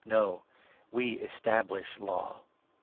No, we establish Law.